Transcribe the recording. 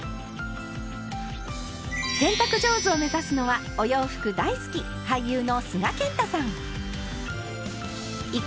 洗濯上手を目指すのはお洋服大好き俳優の須賀健太さん。